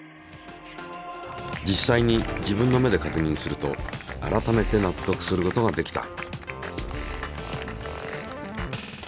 実際に自分の目で確認すると改めて納得することができた。